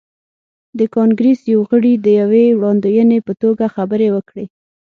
د کانګریس یو غړي د یوې وړاندوینې په توګه خبرې وکړې.